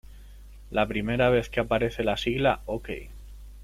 La primera vez que aparece la sigla "o.k.